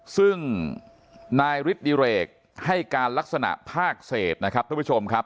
ซึ่งนายฤทธิเรกให้การลักษณะภาคเศษนะครับท่านผู้ชมครับ